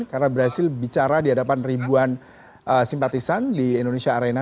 karena berhasil bicara di hadapan ribuan simpatisan di indonesia arena